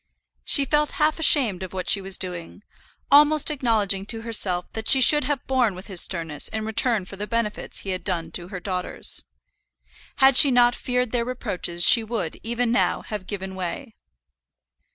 She felt half ashamed of what she was doing, almost acknowledging to herself that she should have borne with his sternness in return for the benefits he had done to her daughters. Had she not feared their reproaches she would, even now, have given way.